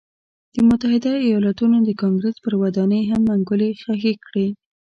د متحده ایالتونو د کانګرېس پر ودانۍ هم منګولې خښې کړې.